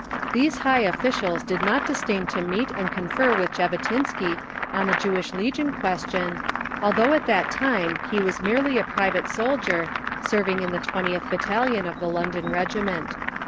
These high officials did not disdain to meet and confer with Jabotinsky on the Jewish Legion question, although at that time he was merely a private soldier, serving in the 20th Battalion of the London Regiment.